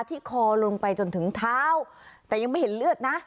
ที่คอลงไปจนถึงเท้าแต่ยังไม่เห็นเลือดนะ